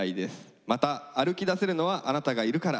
また歩きだせるのはあなたがいるから。